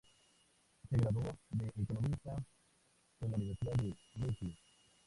Se graduó de economista en la Universidad de Meiji.